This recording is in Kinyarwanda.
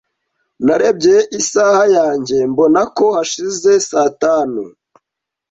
Narebye isaha yanjye mbona ko hashize saa tanu.